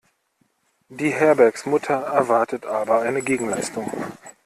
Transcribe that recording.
Die Herbergsmutter erwartet aber eine Gegenleistung.